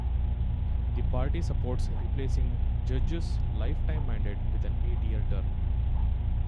The party supports replacing judges' lifetime mandate with an eight-year term.